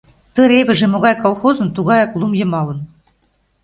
Ты ревыже могай колхозын тугаяк лум йымалын...